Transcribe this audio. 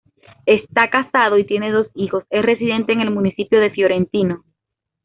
Está casado y tiene dos hijos, es residente en el municipio de Fiorentino.